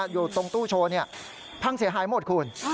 อยู่ตรงตู้โชว์พังเสียหายหมดคุณ